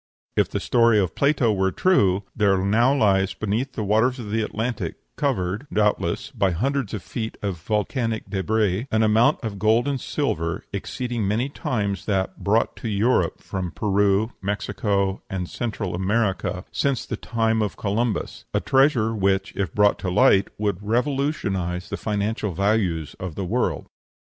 If the story of Plato is true, there now lies beneath the waters of the Atlantic, covered, doubtless, by hundreds of feet of volcanic débris, an amount of gold and silver exceeding many times that brought to Europe from Peru, Mexico, and Central America since the time of Columbus; a treasure which, if brought to light, would revolutionize the financial values of the world.